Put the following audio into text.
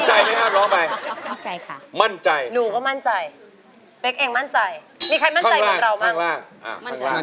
จับมือประคองขอร้องอย่าได้เปลี่ยนไป